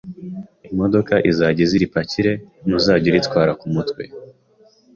imodoka izajya iza iripakire, ntuzajya uritwara ku mutwe